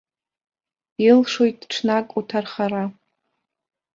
Илшоит ҽнак уҭархара.